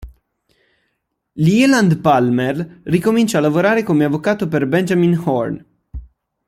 Leland Palmer ricomincia a lavorare come avvocato per Benjamin Horne.